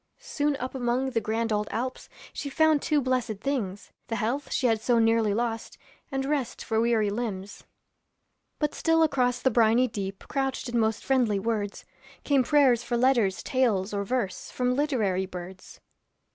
Soon up among the grand old Alps She found two blessed things: The health she had so nearly lost, And rest for weary limbs. But still across the briny deep Couched in most friendly words, Came prayers for letters, tales, or verse, From literary birds.